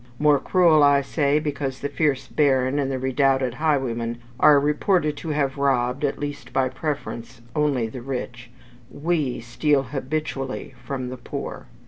More cruel, I say, because the fierce baron and the redoubted highwayman are reported to have robbed, at least by preference, only the rich; we steal habitually from the poor.